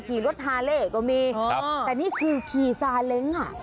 ขี่รถฮาเล่ก็มีแต่นี่คือขี่ซาเล้งอ่ะ